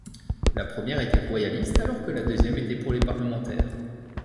La première était royaliste alors que la deuxième était pour les parlementaires.